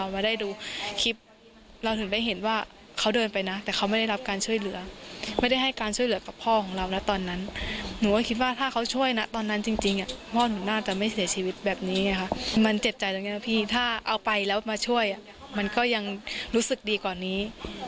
มันเจ็บใจตรงนี้นะพี่ถ้าเอาไปแล้วมาช่วยมันก็ยังรู้สึกดีกว่านี้